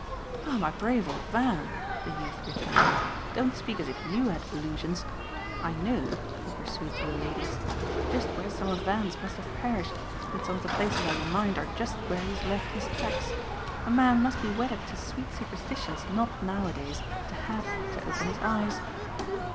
"Ah my brave old Van," the youth returned, "don't speak as if YOU had illusions. I know," he pursued to the ladies, "just where some of Van's must have perished, and some of the places I've in mind are just where he has left his tracks. A man must be wedded to sweet superstitions not nowadays to HAVE to open his eyes.